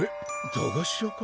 駄菓子屋か？